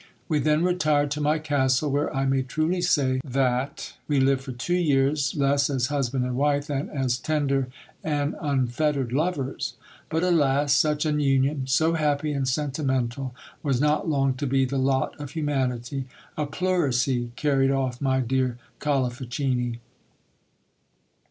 We then retired' to my castle, where I may truly say that we lived for two years, less as husband and wife than as tender and unfettered lovers. But alas ! such an union, so happy and sentimental, was not long to be the lot of humanity : a pleurisy carried off my dear Colifichini.